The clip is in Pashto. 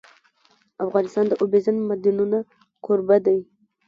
افغانستان د اوبزین معدنونه کوربه دی.